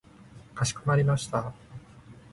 かしこまりました。